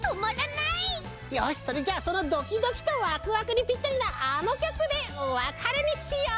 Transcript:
よしそれじゃそのドキドキとワクワクにぴったりなあのきょくでおわかれにしよう！